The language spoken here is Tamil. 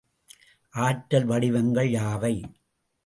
ஆற்றல் வடிவங்கள் யாவை?